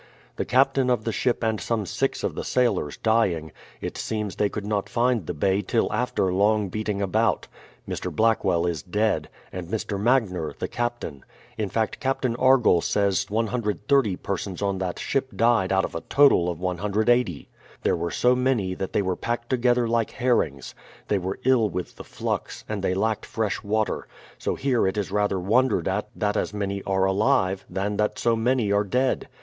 The captain of the ship and some six of the sailors dying, it seems they could not find the bay till after long beating about. Mr. Blackwell is dead, and Mr. Maggner, the Captain; in fact Captain Argoll says 130 persons on that ship died out of a total of 180. There were so many that they were packed together Hke herrings. They were ill with the flux, and they lacked fresh water ; so here it is rather wondered at that as many are alive, than that so many are dead.